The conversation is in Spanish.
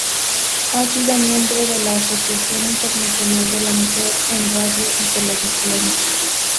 Ha sido miembro de la Asociación Internacional de la Mujer en Radio y Televisión.